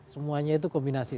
semuanya itu kombinasi